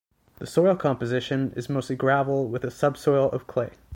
The soil composition, is mostly gravel with a subsoil of clay.